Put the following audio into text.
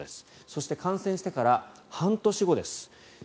そして感染してから半年後です。